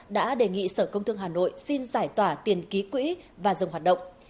đã đề nghị sở công thương hà nội xin giải tỏa tiền ký quỹ và dừng hoạt động